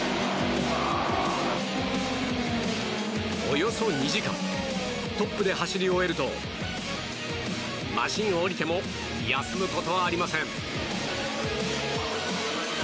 およそ２時間トップで走り終えるとマシンを降りても休むことはありません。